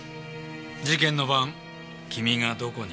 事件の晩君がどこにいたのか。